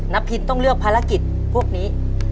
พินต้องเลือกภารกิจพวกนี้